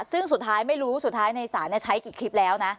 ซึ่งสุดท้ายไม่รู้สุดท้ายในศาลใช้กี่คลิปแล้วนะ